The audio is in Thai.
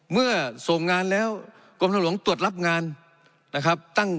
เมื่อส่งงานแล้วกรมทางหลวงตรวจรับงานนะครับ